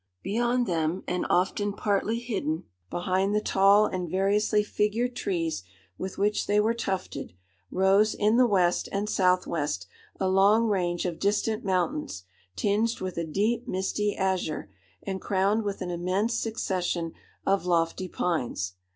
Beyond them, and often partly hidden behind the tall and variously figured trees with which they were tufted, rose, in the west and south west, a long range of distant mountains, tinged with a deep misty azure, and crowned with an immense succession of lofty pines.